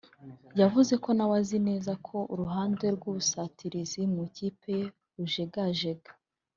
yavuze ko nawe azi neza ko uruhande rw’ubusatirizi mu ikipe ye rujegajega